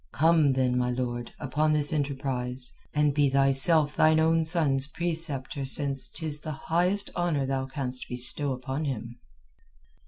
Come, then, my lord, upon this enterprise, and be thyself thine own son's preceptor since 'tis the highest honour thou canst bestow upon him."